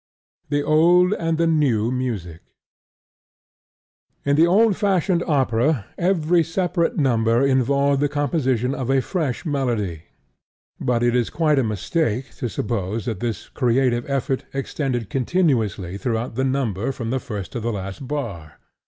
THE OLD AND THE NEW MUSIC In the old fashioned opera every separate number involved the composition of a fresh melody; but it is quite a mistake to suppose that this creative effort extended continuously throughout the number from the first to the last bar.